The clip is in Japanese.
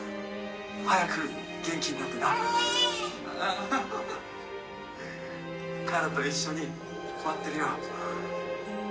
早く元気になってな、佳奈と一緒に待ってるよ。